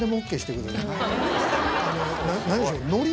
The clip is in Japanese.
何でしょう。